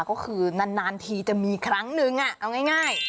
ก็คือนานทีจะมีครั้งนึงเอาง่าย